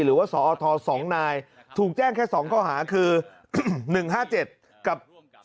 หรือว่าสอท๒นายถูกแจ้งแค่๒ข้อหาคือ๑๕๗กับ๒๕๖